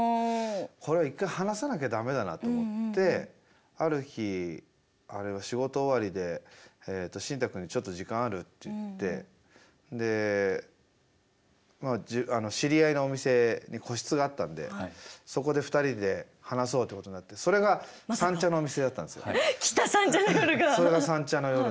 これは一回話さなきゃ駄目だなと思ってある日あれは仕事終わりでシンタくんに「ちょっと時間ある？」って言ってでまあ知り合いのお店に個室があったんでそこで２人で話そうってことになってそれが三茶のお店だったんですよ。来た三茶の夜が。